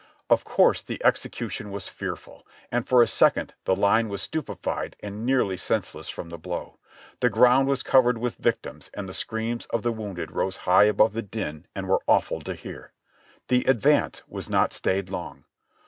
Of course the execution was fearful, and for a second the line was stupefied and nearly senseless from the blow. The ground was covered with victims and the screams of the wounded rose high above the din and were awful to hear. The advance was not stayed long.